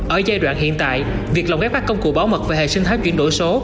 ở giai đoạn hiện tại việc lồng ghép các công cụ báo mật về hệ sinh tháp chuyển đổi số